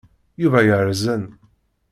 Yuba yerẓen.